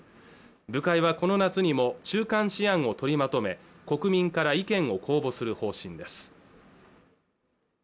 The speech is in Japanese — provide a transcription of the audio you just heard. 部会はこの夏にも中間試案を取りまとめ国民から意見を公募する方針です